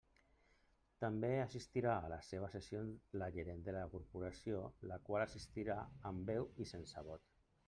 També assistirà a les seves sessions la Gerent de la corporació, la qual assistirà amb veu i sense vot.